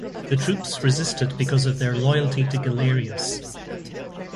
The troops resisted because of their loyalty to Galerius.